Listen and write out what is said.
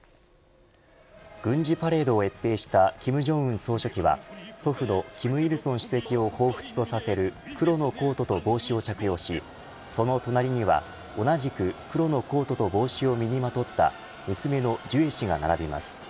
軍事パレードを閲兵した金正日総書記は祖父の金日成主席をほうふつとさせる黒のコートと帽子を着用しその隣には、同じく黒のコートと帽子を身にまとった娘のジュエ氏が並びます。